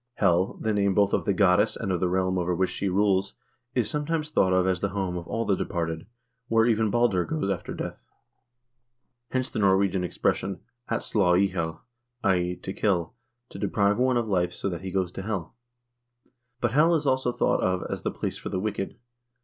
Hel, the name both of the goddess and of the realm over which she rules, is sometimes thought of as the home of all the departed, where even Balder goes after death. Hence the Norwegian expression at slaa ihjel, i.e. to kill, to deprive one of life so that he goes to Hel. But Hel is also thought of as the place for the wicked.